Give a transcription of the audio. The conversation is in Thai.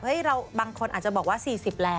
เราบางคนอาจจะบอกว่า๔๐แล้ว